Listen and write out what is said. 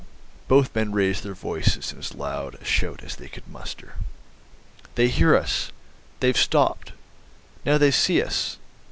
Both men raised their voices in as loud a shout as they could muster. "They hear us! They've stopped. Now they see us.